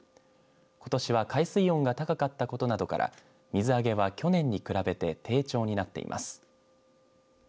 ことしは海水温が高かったことなどから水揚げは去年に比べて低調になっています。